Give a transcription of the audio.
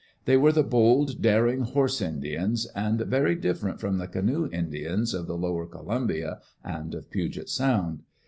They were the bold, daring "horse Indians," and very different from the "canoe Indians" of the lower Columbia and of Puget Sound.